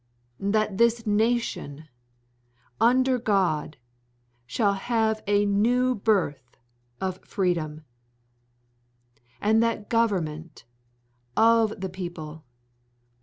.. that this nation, under God, shall have a new birth of freedom. .. and that government of the people.